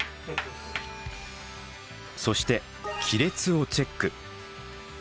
そして亀裂をチェック。